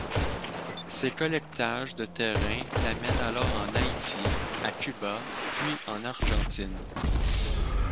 Ses collectages de terrain la mènent alors en Haïti, à Cuba, puis en Argentine.